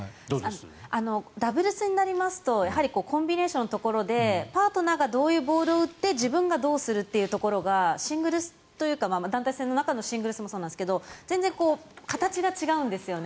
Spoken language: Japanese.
ダブルスになりますとやはりコンビネーションのところでパートナーがどういうボールを打って自分がどうするっていうところがシングルスというか団体戦の中のシングルスもそうなんですが全然、形が違うんですよね。